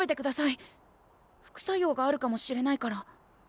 副作用があるかもしれないから。